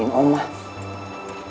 tante dewi lagi sakit